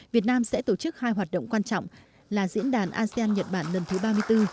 việt nam sẽ tổ chức hai hoạt động quan trọng là diễn đàn asean nhật bản lần thứ ba mươi bốn